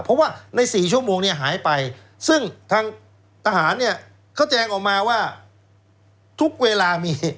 เพราะว่าใน๔ชั่วโมงเนี่ยหายไปซึ่งทางทหารเนี่ยเขาแจ้งออกมาว่าทุกเวลามี